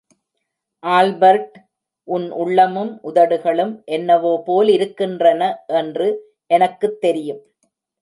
Albert, உன் உள்ளமும் உதடுகளும் என்னவோ போலிருக்கின்றன என்று எனக்கு தெரியும்.